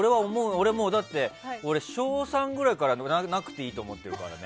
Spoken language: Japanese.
俺もうだって小３くらいからもらわなくていいと思ってるからね。